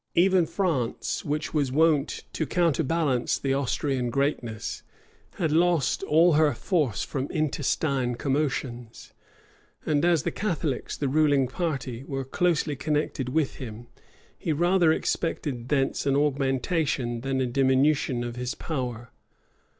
Even France, which was wont to counterbalance the Austrian greatness, had lost all her force from intestine commotions; and as the Catholics, the ruling party, were closely connected with him, he rather expected thence an augmentation than a diminution of his power.